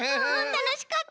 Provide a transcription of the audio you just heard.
たのしかった。